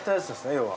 要は。